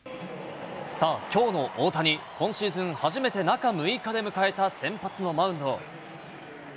今日の大谷、今シーズン初めて中６日目で迎えた先発のマウンド。